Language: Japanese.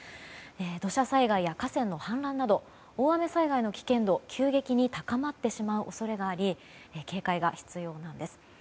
土砂災害や河川の氾濫など大雨災害の危険度が急激に高まってしまう恐れがあり警戒が必要なんです。